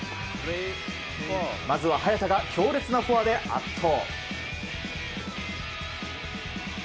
まずは早田が強烈なフォアで圧倒。